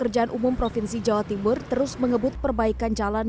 jalan arus mudik lebaran